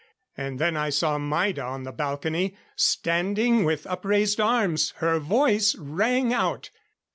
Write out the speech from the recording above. And then I saw Maida on the balcony, standing with upraised arms. Her voice rang out.